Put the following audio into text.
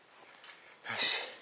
よし！